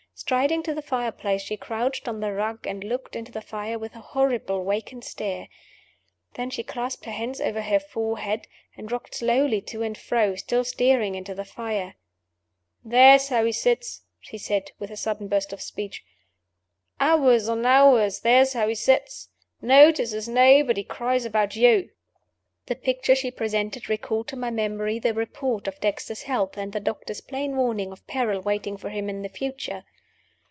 Striding to the fire place, she crouched on the rug, and looked into the fire with a horrible vacant stare. Then she clasped her hands over her forehead, and rocked slowly to and fro, still staring into the fire. "There's how he sits!" she said, with a sudden burst of speech. "Hours on hours, there's how he sits! Notices nobody. Cries about you." The picture she presented recalled to my memory the Report of Dexter's health, and the doctor's plain warning of peril waiting for him in the future.